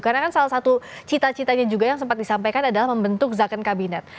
karena kan salah satu cita citanya juga yang sempat disampaikan adalah membentuk zaken kabinet